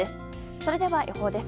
それでは、予報です。